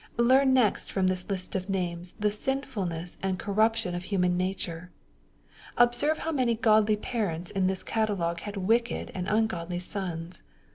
Learn next from this list of names the sinfulness and corruption of human nature. Observe how many godly parents in this catalogue had wicked and ungodly sons.